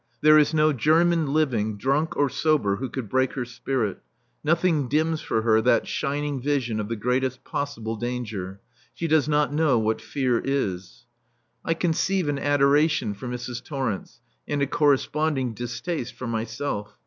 There is no German living, drunk or sober, who could break her spirit. Nothing dims for her that shining vision of the greatest possible danger. She does not know what fear is. I conceive an adoration for Mrs. Torrence, and a corresponding distaste for myself.